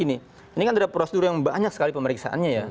ini kan ada prosedur yang banyak sekali pemeriksaannya ya